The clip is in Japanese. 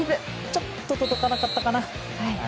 ちょっと届かなかったかな。